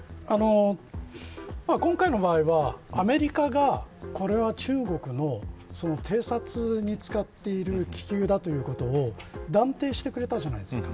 今回の場合は、アメリカがこれは中国の偵察に使っている気球だということを断定してくれたじゃないですか。